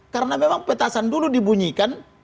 karena memang petasan dulu dibunyikan